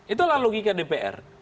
itulah logika dpr